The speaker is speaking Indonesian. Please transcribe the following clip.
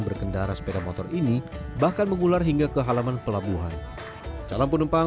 berkendara sepeda motor ini bahkan mengular hingga ke halaman pelabuhan calon penumpang